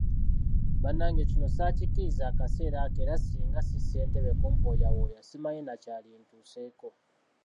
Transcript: Bannange kino ssaakikkiriza akaseera ako era singa ssi Ssentebe kumpooyawooya simanyi na kyalintuuseeko.